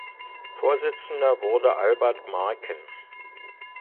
Vorsitzender wurde Albert Marken.